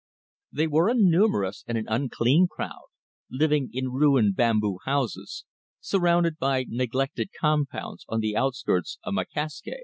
They were a numerous and an unclean crowd, living in ruined bamboo houses, surrounded by neglected compounds, on the outskirts of Macassar.